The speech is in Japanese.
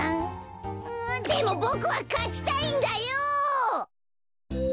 でもボクはかちたいんだよ！